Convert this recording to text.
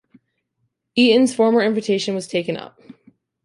Eaton's former invitation was taken up.